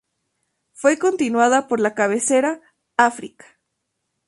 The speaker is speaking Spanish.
Fue continuada por la cabecera "África.